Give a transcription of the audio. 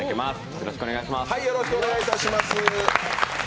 よろしくお願いします。